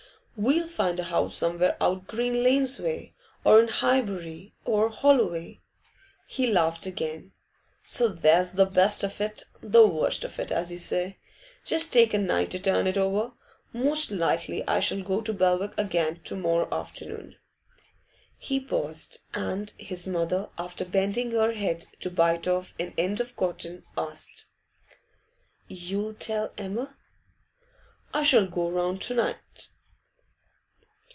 We'll find a house somewhere out Green Lanes way, or in Highbury or Holloway.' He laughed again. 'So there's the best of it the worst of it, as you say. Just take a night to turn it over. Most likely I shall go to Belwick again to morrow afternoon.' He paused, and his mother, after bending her head to bite off an end of cotton, asked 'You'll tell Emma?' 'I shall go round to night.